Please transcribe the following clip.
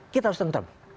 kita harus tentrem